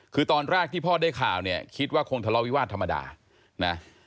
คือตอนแรกที่พ่อได้ข่าวเนี่ยคิดว่าคงทะเลาวิวาสธรรมดานะ